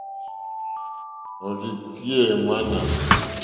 Òrzì tíyá èŋmánà.